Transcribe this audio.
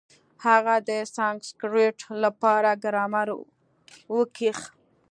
هغه د سانسکرېټ له پاره ګرامر وکېښ.